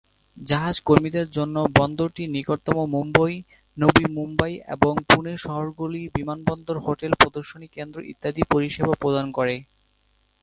জাহাজ কর্মীদের জন্য বন্দরটির নিকটতম মুম্বই, নবী মুম্বাই এবং পুনে শহরগুলি বিমানবন্দর; হোটেল, প্রদর্শনী কেন্দ্র, ইত্যাদি পরিষেবা প্রদান করে।